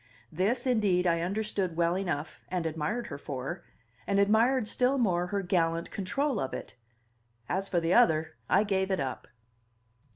This, indeed, I understood well enough, and admired her for, and admired still more her gallant control of it; as for the other, I gave it up.